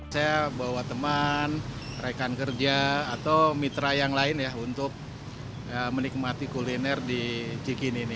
saya bawa teman rekan kerja atau mitra yang lain ya untuk menikmati kuliner di cikini ini